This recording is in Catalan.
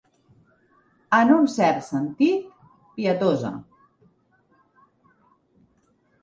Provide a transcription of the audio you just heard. En un cert sentit, pietosa.